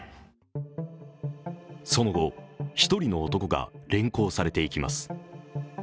その後、１人の男が連行されていきます。